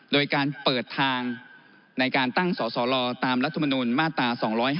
โดยการเปิดทางในการตั้งสสลตามรัฐมนุนมาตรา๒๕๖